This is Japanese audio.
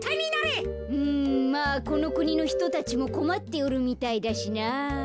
うんまあこのくにのひとたちもこまっておるみたいだしなあ。